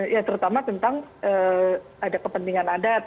ya terutama tentang ada kepentingan adat